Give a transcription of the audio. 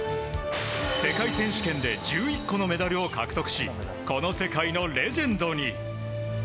世界選手権で１１個のメダルを獲得しこの世界のレジェンドに。